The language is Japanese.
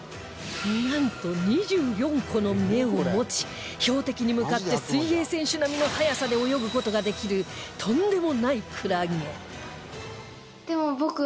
なんと２４個の目を持ち標的に向かって水泳選手並みの速さで泳ぐ事ができるとんでもないクラゲ